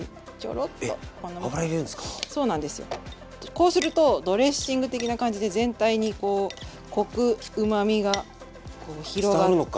こうするとドレッシング的な感じで全体にこうコクうまみがこう広がって。